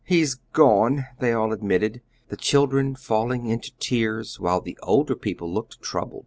"He's gone!" they all admitted, the children falling into tears, while the older people looked troubled.